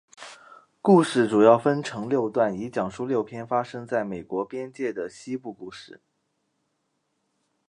故事主要分成六段以讲述六篇发生在美国边界的西部故事。